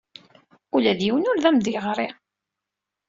Ula d yiwen ur am-d-yeɣri.